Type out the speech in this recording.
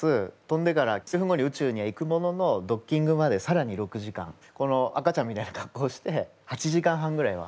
飛んでから数分後に宇宙には行くもののドッキングまでさらに６時間この赤ちゃんみたいな格好して８時間半ぐらいはずっと過ごすんですね。